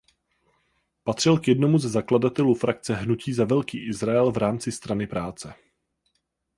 Patřil k jednomu ze zakladatelů frakce Hnutí za Velký Izrael v rámci Strany práce.